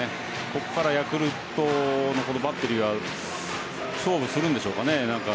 ここからヤクルトのバッテリーは勝負するんでしょうかね。